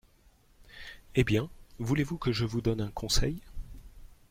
Eh bien, voulez-vous que je vous donne un conseil ?